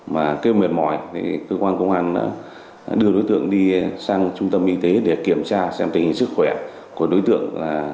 mà kêu mệt mỏi thì cơ quan công an đã đưa đối tượng đi sang trung tâm y tế để kiểm tra xem tình hình sức khỏe của đối tượng là